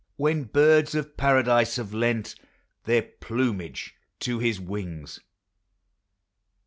353 When birds of paradise have lent Their plumage to his wings?